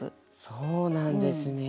そうなんですね。